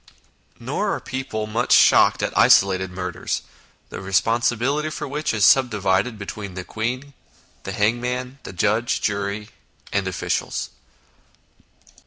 Nor are people much shocked at isolated murders, the responsibility for which is subdivided between the Queen, the hangman, the judge, jury, and officials.